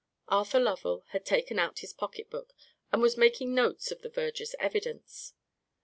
Arthur Lovell had taken out his pocket book, and was making notes of the verger's evidence.